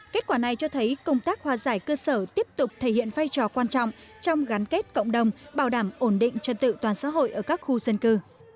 kết quả này cho thấy công tác hòa giải cơ sở tiếp tục thể hiện vai trò quan trọng trong gắn kết cộng đồng bảo đảm ổn định trật tự toàn xã hội ở các khu dân cư